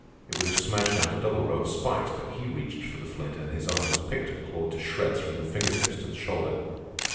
It would have smashed out a double row of spikes. But he reached for the flint, and his arm was picked and clawed to shreds from the finger tips to the shoulder.